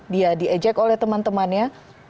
dia diejek oleh teman temannya